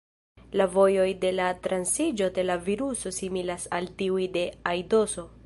La vojoj de la transiĝo de la viruso similas al tiuj de aidoso.